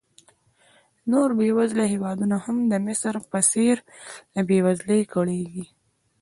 نور بېوزله هېوادونه هم د مصر په څېر له بېوزلۍ کړېږي.